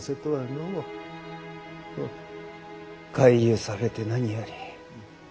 快癒されて何より。